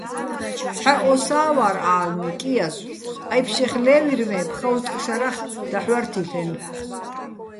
ცჰ̦ა ოსა́ ვარ ა́ლნი, კიაზო̆, აჲფშეხ ლე́ვირ, მე ფხაუზტყ შარახ დაჰ̦ ვარ თილ'ენო̆.